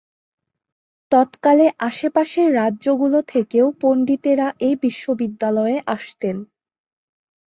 তৎকালে আশেপাশের রাজ্যগুলো থেকেও পণ্ডিতেরা এই বিশ্ববিদ্যালয়ে আসতেন।